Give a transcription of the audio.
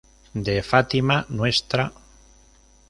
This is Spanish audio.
De Fátima, Ntra.